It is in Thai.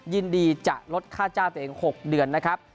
ยินดีจะลดค่าจ้างตัวเอง๖เดือนนะครับ